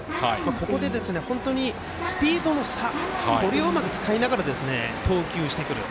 ここで本当にスピードの差、これをうまく使いながら投球してくる。